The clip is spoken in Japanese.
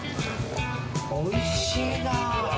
おいしいなあ。